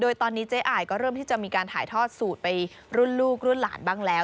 โดยตอนนี้เจ๊อายก็เริ่มที่จะมีการถ่ายทอดสูตรไปรุ่นลูกรุ่นหลานบ้างแล้ว